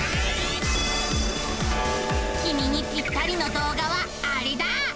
きみにぴったりの動画はアレだ！